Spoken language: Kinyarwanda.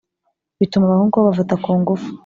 bituma abahungu babafata ku ngufu.